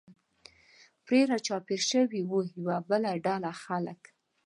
پرې را چاپېر شوي و، یوه بله ډله خلک.